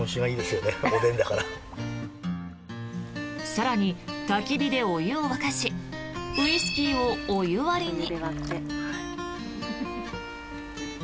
更にたき火でお湯を沸かしウイスキーをお湯割りに。